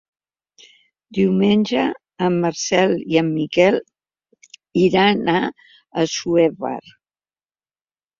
Diumenge en Marcel i en Miquel iran a Assuévar.